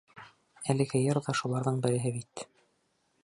Әлеге йыр ҙа шуларҙың береһе бит.